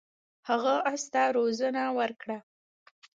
هغه اس ته روزنه ورکړه.